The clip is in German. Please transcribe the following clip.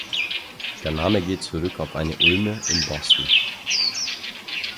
Der Name geht zurück auf eine Ulme in Boston.